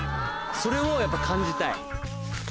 それをやっぱ感じたい。